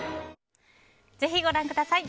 ぜひご覧ください。